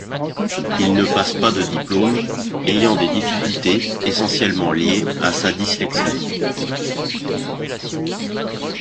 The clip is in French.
Il ne passe pas de diplôme, ayant des difficultés essentiellement liées à sa dyslexie.